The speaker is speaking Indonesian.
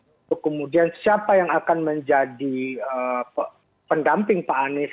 untuk kemudian siapa yang akan menjadi pendamping pak anies